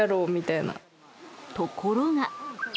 ところが。